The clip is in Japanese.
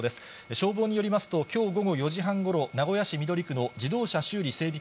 消防によりますと、きょう午後４時半ごろ、名古屋市緑区の自動車修理整備